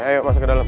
ayo masuk ke dalam